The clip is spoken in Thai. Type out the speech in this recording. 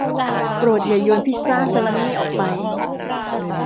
โปรดอย่าโยนพิซซ่าซาลามี่ออกไป